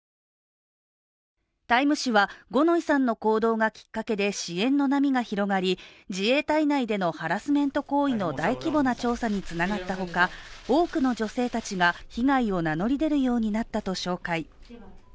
「タイム」誌は、五ノ井さんの行動がきっかけで支援の波が広がり自衛隊内でのハラスメント行為の大規模な調査につながったほか多くの女性たちが被害を名乗り出るようになったと紹介。